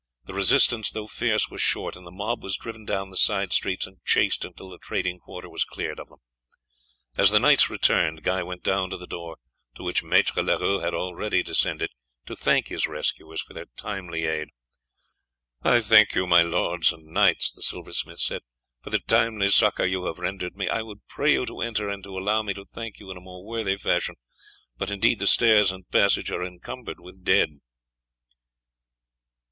The resistance, though fierce, was short, and the mob was driven down the side streets and chased until the trading quarter was cleared of them. As the knights returned Guy went down to the door, to which Maître Leroux had already descended to thank his rescuers for their timely aid. "I thank you, my lords and knights," the silversmith said, "for the timely succour you have rendered me. I would pray you to enter and to allow me to thank you in more worthy fashion, but indeed the stairs and passage are encumbered with dead."